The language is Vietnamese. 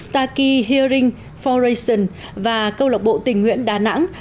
starkey hearing foundation và câu lạc bộ tình nguyện đà nẵng